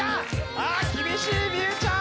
あぁ厳しい望結ちゃん。